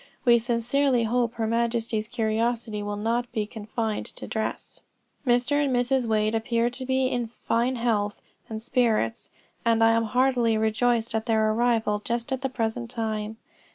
We sincerely hope her majesty's curiosity will not be confined to dress. "Mr. and Mrs. Wade appear to be in fine health and spirits, and I am heartily rejoiced at their arrival just at the present time."